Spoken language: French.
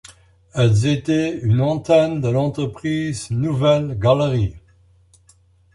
Elles étaient une antenne de l'entreprise Nouvelles Galeries.